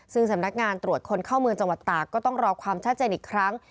ซึ่งสำนักงานตรวจคนเข้าเมืองจังหวัดตากก็ต้องรอความชัดเจนอีกครั้ง